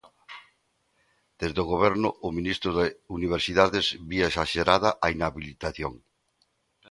Desde o Goberno, o ministro de Universidades vía esaxerada a inhabilitación.